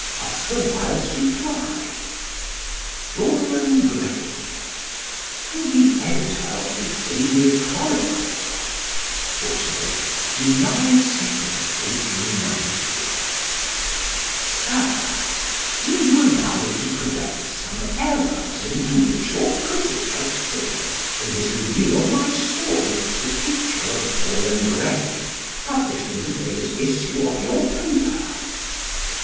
_OSCAR WILDE'S REPLY. "DORIAN GRAY." To the Editor of the Daily Chronicle. Sir, Will you allow me to correct some errors into which your critic has fallen in his review of my story, "The Picture of Dorian Gray," published in to day's issue of your paper?